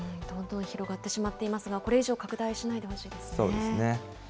どんどん広がってしまっていますが、これ以上拡大しないでほそうですね。